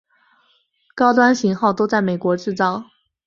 高端型号都在美国制造。